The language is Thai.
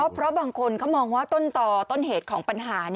เพราะบางคนเขามองว่าต้นต่อต้นเหตุของปัญหา